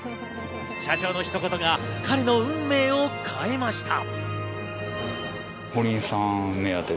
社長の一言が彼の運命を変えました。